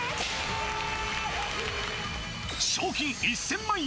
賞金１０００万円。